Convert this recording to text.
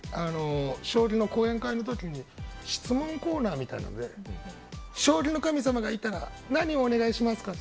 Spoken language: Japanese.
将棋の講演会の時に質問コーナーみたいなので将棋の神様がいたら何をお願いしますか。